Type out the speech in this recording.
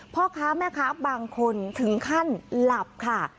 พ่อค้าแม่ค้าบางคนถึงขั้นหลับค่ะ